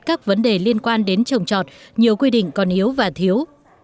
các vấn đề liên quan đến trồng trọt nhiều quy định còn yếu và thiếu